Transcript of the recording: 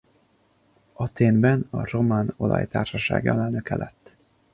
Athénben a román olajtársaság alelnöke lett.